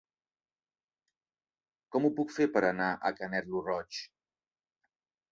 Com ho puc fer per anar a Canet lo Roig?